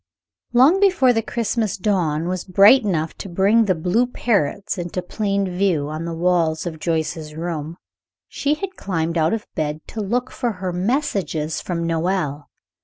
Long before the Christmas dawn was bright enough to bring the blue parrots into plain view on the walls of Joyce's room, she had climbed out of bed to look for her "messages from Noël."